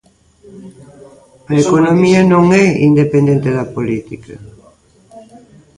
A economía non é independente da política.